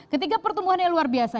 ketiga pertumbuhan yang luar biasa